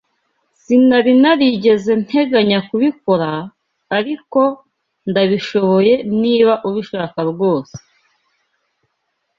Sinari narigeze nteganya kubikora, ariko ndabishoboye niba ubishaka rwose.